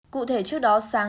cụ thể trước đó sáng